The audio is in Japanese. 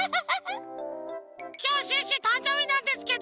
きょうシュッシュたんじょうびなんですけど！